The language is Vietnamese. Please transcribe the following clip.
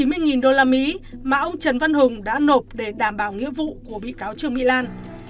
một trăm chín mươi usd mà ông trần văn hùng đã nộp để đảm bảo nghĩa vụ của bị cáo trương my lan